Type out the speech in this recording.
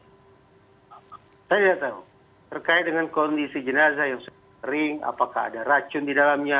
saya tidak tahu terkait dengan kondisi jenazah yang sering apakah ada racun di dalamnya